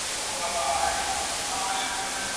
زه ستا سیوری لټومه